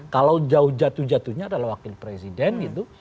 kalau jauh jatuh jatuhnya adalah wakil presiden gitu